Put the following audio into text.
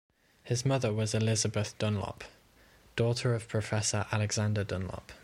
His mother was Elizabeth Dunlop, daughter of Professor Alexander Dunlop.